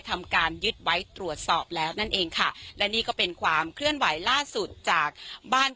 ทำการยึดไว้ตรวจสอบแล้วนั่นเองค่ะและนี่ก็เป็นความเคลื่อนไหวล่าสุดจากบ้าน